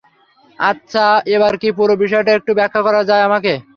আচ্ছা, এবার কি পুরো বিষয়টা একটু ব্যাখ্যা করা যায় আমাকে?